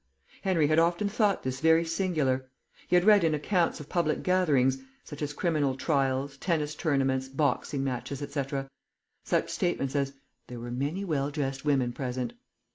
Henry had often thought this very singular. He had read in accounts of public gatherings (such as criminal trials, tennis tournaments, boxing matches, etc.), such statements as "There were many well dressed women present."